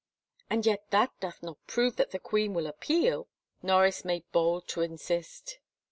"And yet that doth not prove that the queen will appeal," Norris made hold to insist.